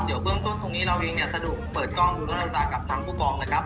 เดี๋ยวเบื้องต้นตรงนี้เราเองเนี่ยสะดวกเปิดกล้องดูเบอร์ฝากกับทางผู้กองนะครับ